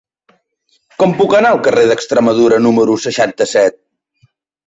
Com puc anar al carrer d'Extremadura número seixanta-set?